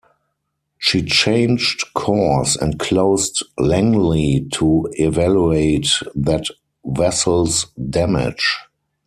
She changed course and closed "Langley" to evaluate that vessel's damage.